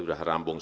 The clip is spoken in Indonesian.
ptsl program tanah